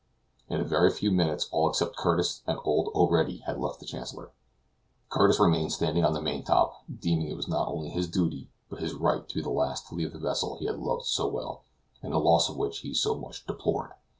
In a very few minutes all except Curtis and old O'Ready had left the Chancellor. Curtis remained standing on the main top, deeming it not only his duty, but his right, to be the last to leave the vessel he had loved so well, and the loss of which he so much deplored.